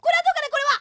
これは。